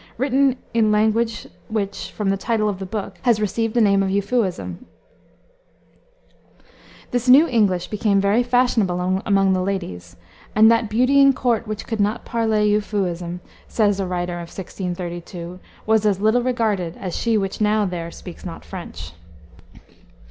written in language which, from the title of the book, has received the name of Euphuism. This new English became very fashionable among the ladies, and "that beauty in court which could not parley Euphuism," says a writer of 1632, "was as little regarded as she which now there speaks not French."